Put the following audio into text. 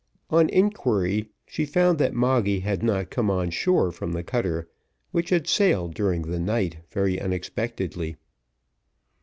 On inquiry, she found that Moggy had not come on shore from the cutter, which had sailed during the night very unexpectedly.